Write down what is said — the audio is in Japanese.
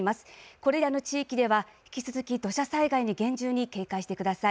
これらの地域では引き続き土砂災害に厳重に警戒してください。